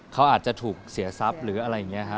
เขาอาจจะถูกเสียทรัพย์หรืออะไรอย่างนี้ฮะ